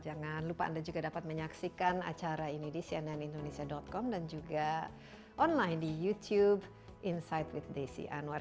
jangan lupa anda juga dapat menyaksikan acara ini di cnnindonesia com dan juga online di youtube insight with desi anwar